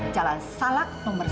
jalan salak nomor satu